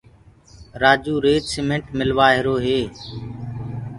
رآجو ريتي سيمٽ ملوآهيرو هي